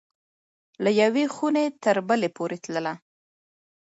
له یوې خوني تر بلي پوری تلله